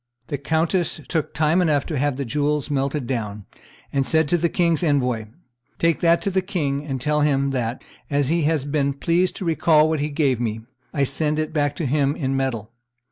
The countess took time enough to have the jewels melted down, and said to the king's envoy, "Take that to the king, and tell him that, as he has been pleased to recall what he gave me, I send it back to him in metal.